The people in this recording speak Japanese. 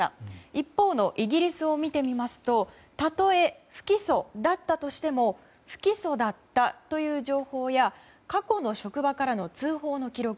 一方のイギリスを見てみますとたとえ、不起訴だったとしても不起訴だったという情報や過去の職場からの通報の記録